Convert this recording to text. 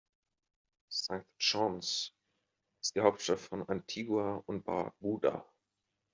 St. John’s ist die Hauptstadt von Antigua und Barbuda.